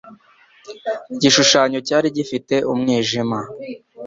Igishushanyo cyari gifite umwijima.